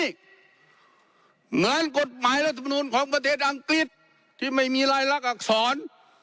เหมือนกฎหมายรัฐมนุนของประเทศอังกฤษที่ไม่มีรายลักษร